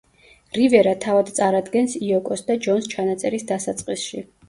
რივერა თავად წარადგენს იოკოს და ჯონს ჩანაწერის დასაწყისში.